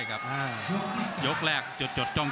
ยกแรกจดจ้อง